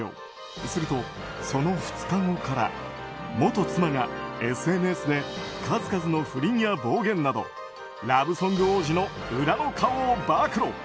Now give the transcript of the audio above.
すると、その２日後から元妻がＳＮＳで数々の不倫や暴言などラブソング王子の裏の顔を暴露。